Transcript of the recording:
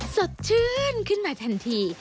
สดชื่นขึ้นมาทันที